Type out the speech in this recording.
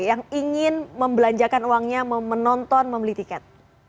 yang ingin membelanjakan uangnya menonton membeli tiket